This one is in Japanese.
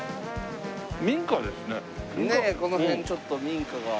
この辺ちょっと民家が。